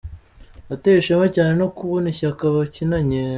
Natewe ishema cyane no kubona ishyaka bakinanye.